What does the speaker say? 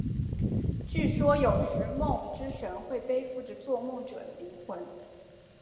据说有时梦之神会背负着做梦者的灵魂。